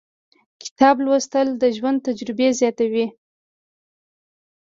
• کتاب لوستل، د ژوند تجربې زیاتوي.